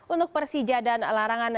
untuk persija dan larangan